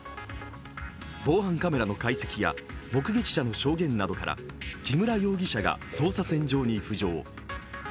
防犯カメラの解析や目撃者の証言などから木村容疑者が捜査線上に浮上。